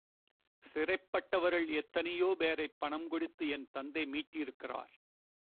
சிறை பட்டவர்கள் எத்தனையோ பேரைப் பணம் கொடுத்து என் தந்தை மீட்டிருக்கிறார்.